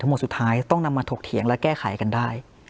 หมดสุดท้ายต้องนำมาถกเถียงและแก้ไขกันได้